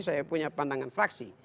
saya punya pandangan fraksi